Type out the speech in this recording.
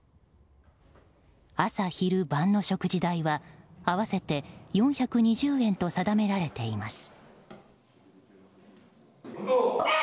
朝昼晩の食事代は合わせて４２０円と定められています。